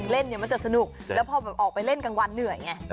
เล่นมันจะสนุกแล้วพอออกไปเล่นกลางวันเหนื่อยเนี่ย